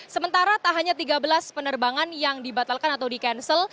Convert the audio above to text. sementara tak hanya tiga belas penerbangan yang dibatalkan atau di cancel